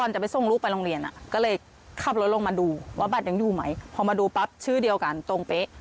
ชื่อเดียวกันตรงเป๊ะ